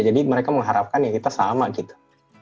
jadi mereka mengharapkan ya kita sama gitu